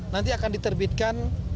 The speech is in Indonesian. nanti akan diterbitkan